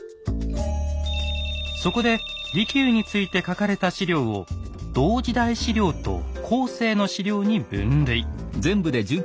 そこで利休について書かれた史料を「同時代史料」と「後世の史料」に分類。